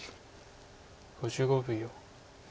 ５５秒。